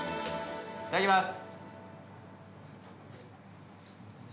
いただきます。